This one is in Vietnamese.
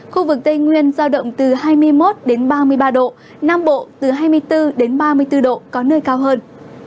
khu vực tây nguyên giao động từ hai mươi một đến ba mươi ba độ nam bộ từ hai mươi bốn ba mươi bốn độ có nơi cao hơn